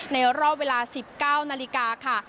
ในรอบเวลา๑๙นาฬิกาค่ะ